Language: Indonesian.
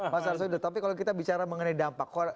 mas arsul tapi kalau kita bicara mengenai dampak